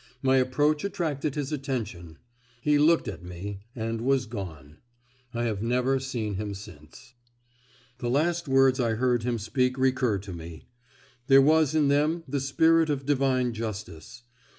My approach attracted his attention. He looked at me, and was gone. I have never seen him since. The last words I heard him speak recur to me. There was in them the spirit of Divine justice.